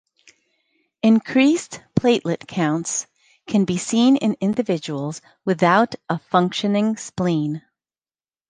Increased platelet counts can be seen in individuals without a functioning spleen.